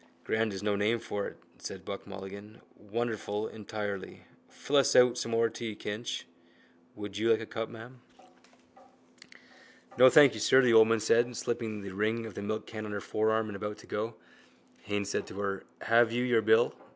—Grand is no name for it, said Buck Mulligan. Wonderful entirely. Fill us out some more tea, Kinch. Would you like a cup, ma'am? —No, thank you, sir, the old woman said, slipping the ring of the milkcan on her forearm and about to go. Haines said to her: —Have you your bill?